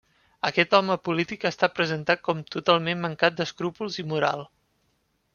Aquest home polític ha estat presentat com totalment mancat d'escrúpols i moral.